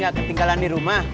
gak ketinggalan di rumah